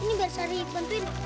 ibu sini biar sari bantuin